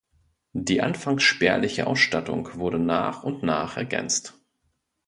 Die anfangs spärliche Ausstattung wurde nach und nach ergänzt.